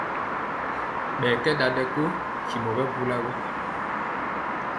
Ɓɛ kɛ ɗaɗɛ ko ntimo ɓɛ bula gɔ.